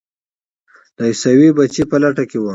د عیسوي بچي په لټه کې وم.